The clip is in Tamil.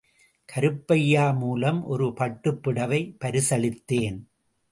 கருப்பையா மூலம் ஒரு பட்டுப் புடவை பரிசளித்தேன்.